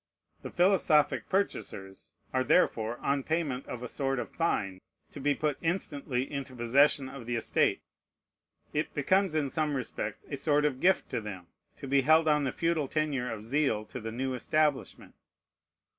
The philosophic purchasers are therefore, on payment of a sort of fine, to be put instantly into possession of the estate. It becomes in some respects a sort of gift to them, to be held on the feudal tenure of zeal to the new establishment.